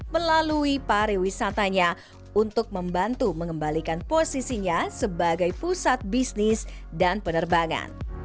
melalui pariwisatanya untuk membantu mengembalikan posisinya sebagai pusat bisnis dan penerbangan